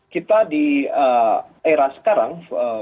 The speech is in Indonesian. kita di era sekarang